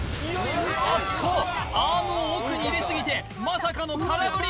あっとアームを奥に入れすぎてまさかの空振り！